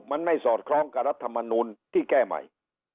มันไม่สอดคล้องกับรัฐมนูลที่แก้ใหม่